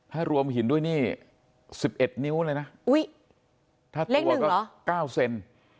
ถ้ารวมหินด้วยนี่สิบเอ็ดนิ้วเลยนะอุ้ยถ้าเท่าก็เก้าเซ็น